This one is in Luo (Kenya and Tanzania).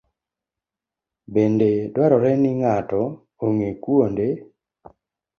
Bende dwarore ni ng'ato ong'e kuonde